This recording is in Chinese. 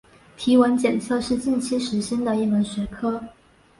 皮纹检测是近期时兴的一门学科。